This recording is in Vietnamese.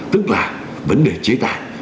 tức là vấn đề chế tài